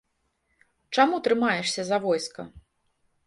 Чаму трымаешся за войска?